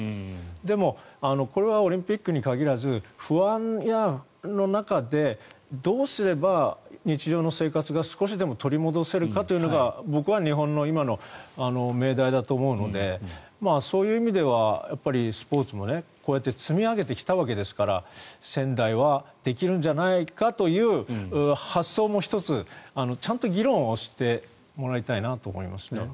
でも、これはオリンピックに限らず不安の中でどうすれば日常の生活が少しでも取り戻せるかというのが僕は日本の今の命題だと思うのでそういう意味ではスポーツもこうやって積み上げてきたわけですから仙台はできるんじゃないかという発想も１つちゃんと議論をしてもらいたいなと思いますね。